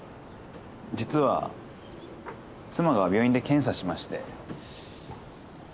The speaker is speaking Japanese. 実は妻が病院で検査しまして。